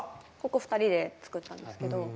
ここ２人で作ったんですけど。